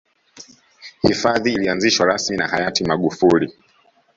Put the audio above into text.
hifadhi ilianzishwa rasmi na hayati magufuli